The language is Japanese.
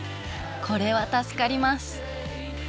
これは助かります！